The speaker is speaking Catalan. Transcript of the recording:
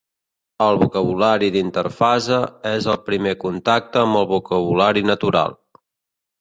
El vocabulari d'interfase és el primer contacte amb el vocabulari natural.